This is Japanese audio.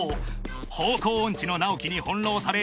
［方向音痴の直樹に翻弄され］